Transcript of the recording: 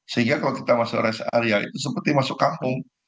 sehingga kalau kita masuk rest area itu seperti masuk kampung